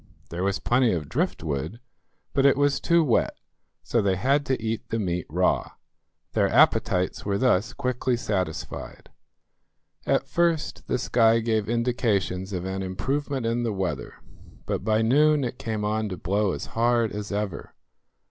There was plenty of driftwood, but it was too wet; so they had to eat the meat raw. Their appetites were thus quickly satisfied. At first the sky gave indications of an improvement in the weather, but by noon it came on to blow as hard as ever.